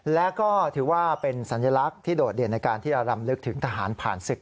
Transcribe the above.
และก็ถือว่าเป็นสัญลักษณ์ที่โดดเด่นในการที่จะรำลึกถึงทหารผ่านศึก